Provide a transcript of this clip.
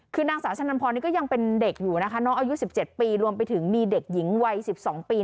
คือนางสาวชะนันพรนี่ก็ยังเป็นเด็กอยู่นะคะน้องอายุ๑๗ปีรวมไปถึงมีเด็กหญิงวัย๑๒ปี